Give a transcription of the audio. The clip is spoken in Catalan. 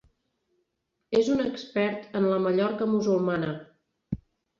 És un expert en la Mallorca Musulmana.